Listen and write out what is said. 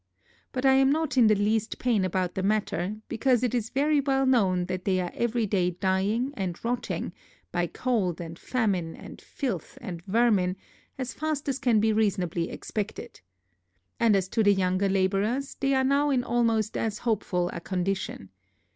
But I am not in the least pain upon that matter, because it is very well known, that they are every day dying, and rotting, by cold and famine, and filth, and vermin, as fast as can be reasonably expected. And as to the young labourers, they are now in almost as hopeful a condition.